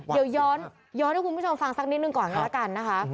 เดี๋ยวย้อนให้คุณผู้ชมฟังสักนิดหนึ่งก่อนก็แล้วกันนะคะ